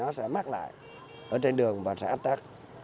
nó sẽ mắc lại ở trên đường và sẽ áp tác